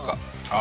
あ